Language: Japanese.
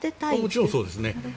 もちろんそうですね。